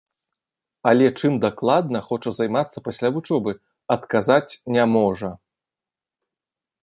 Але чым дакладна хоча займацца пасля вучобы, адказаць не можа.